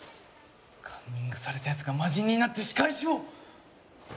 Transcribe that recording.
カンニングされた奴が魔人になって仕返しを！